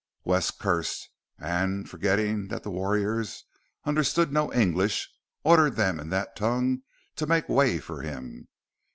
Wes cursed, and, forgetting that the warriors understood no English, ordered them in that tongue to make way for him.